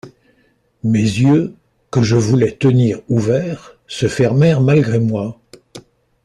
Mes yeux, que je voulais tenir ouverts, se fermèrent malgré moi.